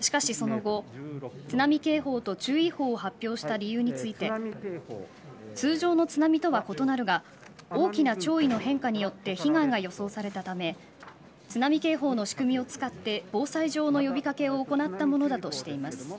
しかし、その後、津波警報と注意報を発表した理由について通常の津波とは異なるが大きな潮位の変化によって被害が予想されたため津波警報の仕組みを使って防災上の呼び掛けを行ったものだとしています。